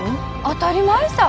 当たり前さ